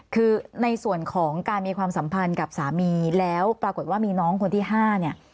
คือในส่วนของการมีความสัมพันธ์กับสามีแล้วปรากฏว่ามีน้องคนที่๕เนี่ย